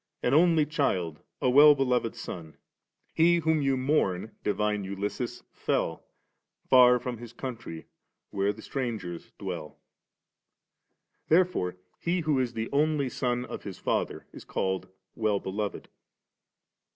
An only child, a well beloved ' Aon ? He whom you mourn, divine Ulysses, fell Far from ms country, where the strangers dwelL Therefore he who is the only son of his father is called well beloved.